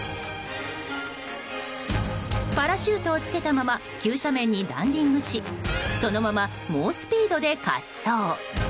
パラシュートを着けたまま急斜面にランディングしそのまま猛スピードで滑走。